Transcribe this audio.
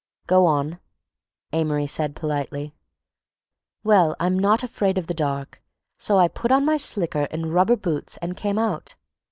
"Go on," Amory said politely. "Well—I'm not afraid of the dark, so I put on my slicker and rubber boots and came out.